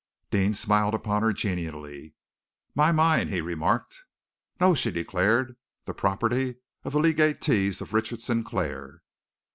Deane smiled upon her genially. "My mine," he remarked. "No!" she declared, "the property of the legatees of Richard Sinclair!"